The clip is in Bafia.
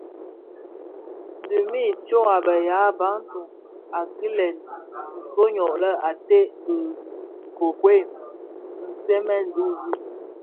Diňi tsôg a be yaa Bantu (Bafia) a kilè zonoy bèè ated bi nkokuel nsènèn duňzi,